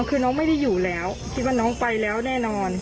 คือน้องไม่ได้อยู่แล้วคิดว่าน้องไปแล้วแน่นอน